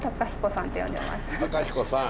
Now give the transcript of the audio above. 公彦さん。